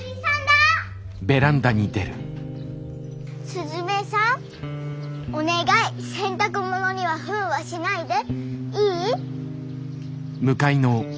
すずめさんお願い洗濯物にはふんはしないで。